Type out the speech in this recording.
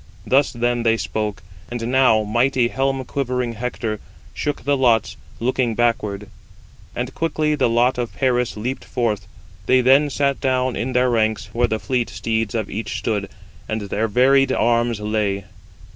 Thus then they spoke, and now mighty helm quivering Hector shook the lots, looking backward; and quickly the lot of Paris leaped forth. They then sat down in their ranks, where the fleet steeds of each stood, and their varied arms lay.